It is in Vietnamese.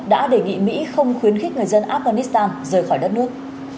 đã đề nghị mỹ không khuyến khích người dân afghanistan rời khỏi đất nước